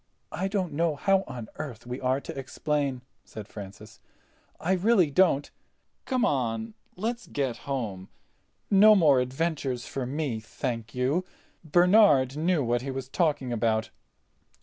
"I don't know how on earth we are to explain," said Francis. "I really don't. Come on—let's get home. No more adventures for me, thank you. Bernard knew what he was talking about."